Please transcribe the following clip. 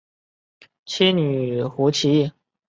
七女湖起义旧址的历史年代为清代。